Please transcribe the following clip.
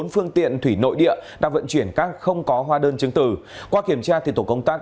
bốn phương tiện thủy nội địa đang vận chuyển các không có hóa đơn chứng từ qua kiểm tra tổ công tác